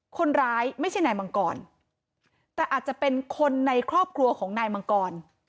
ไม่ใช่นายมังกรแต่อาจจะเป็นคนในครอบครัวของนายมังกร